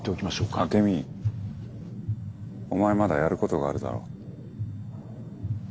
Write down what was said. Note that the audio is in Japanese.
アケミお前まだやることがあるだろ。